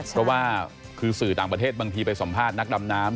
เพราะว่าคือสื่อต่างประเทศบางทีไปสัมภาษณ์นักดำน้ำ